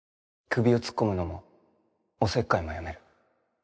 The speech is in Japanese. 首を突っ込むのもおせっかいもやめる。